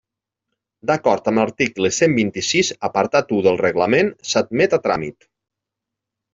D'acord amb l'article cent vint-i-sis apartat u del Reglament, s'admet a tràmit.